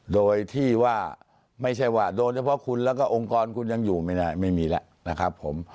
โดยที่ว่าไม่ใช่ว่าโดยเฉพาะคุณแล้วก็องค์กรคุณยังอยู่ไม่ได้ไม่มีแล้วนะครับผม